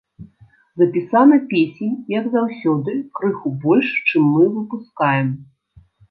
Запісана песень, як заўсёды, крыху больш, чым мы выпускаем.